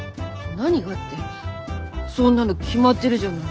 何がってそんなの決まってるじゃない。